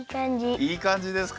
いいかんじですか！